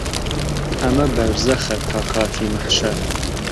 ئەمە بەرزەخە تا کاتی مەحشەر